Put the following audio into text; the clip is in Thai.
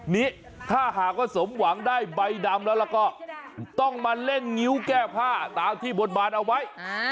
นี่ถ้าหากว่าสมหวังได้ใบดำแล้วก็ต้องมาเล่นงิ้วแก้ผ้าตามที่บนบานเอาไว้